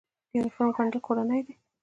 د یونیفورم ګنډل کورني دي؟